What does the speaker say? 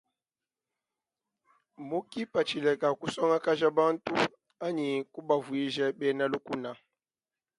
Mu kipatshila ka kusongakaja bantu anyi kubavuija bena lukna.